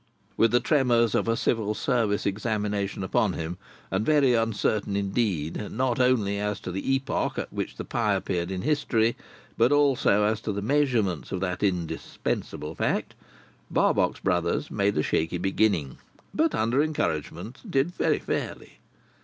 With the tremors of a civil service examination on him, and very uncertain indeed, not only as to the epoch at which the pie appeared in history, but also as to the measurements of that indispensable fact, Barbox Brothers made a shaky beginning, but under encouragement did very fairly.